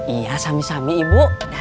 iya sami sami ibu